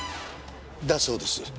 だそうです。